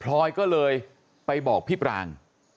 พลอยก็เลยไปบอกพี่ปราง